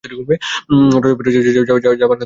রজবপুরে যাবার কথা তোরাই ওকে শিখিয়েছিস।